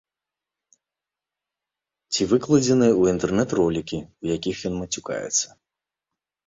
Ці выкладзеныя ў інтэрнэт ролікі, у якіх ён мацюкаецца.